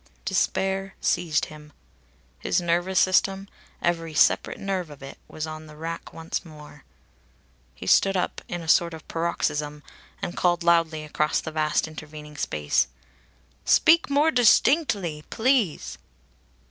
Despair seized him. His nervous system, every separate nerve of it, was on the rack once more. He stood up in a sort of paroxysm and called loudly across the vast intervening space: "Speak more distinctly, please."